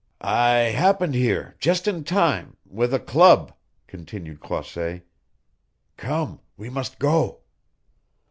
"I happened here just in time with a club," continued Croisset. "Come, we must go."